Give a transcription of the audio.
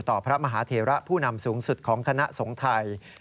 พระมหาเทระผู้นำสูงสุดของคณะสงฆ์ไทย